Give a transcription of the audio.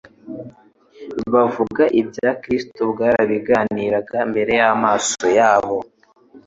buvuga ibya Kristo bwarabagiraniraga imbere y'amaso yabo.